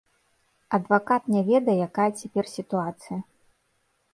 Адвакат не ведае, якая цяпер сітуацыя.